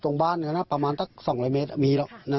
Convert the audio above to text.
ตรงบ้านเนี่ยนะประมาณสักสองละเมตรมีแล้วค่ะ